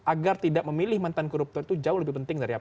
agar tidak memilih mantan koruptor itu jauh lebih penting dari apa